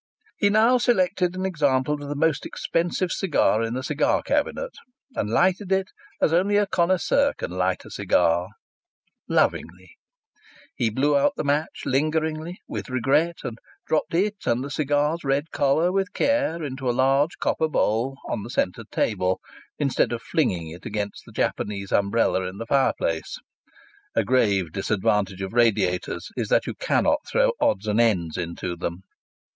He now selected an example of the most expensive cigar in the cigar cabinet and lighted it as only a connoisseur can light a cigar, lovingly; he blew out the match lingeringly, with regret, and dropped it and the cigar's red collar with care into a large copper bowl on the centre table, instead of flinging it against the Japanese umbrella in the fireplace. (A grave disadvantage of radiators is that you cannot throw odds and ends into them.)